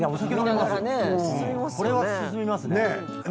これは進みますね。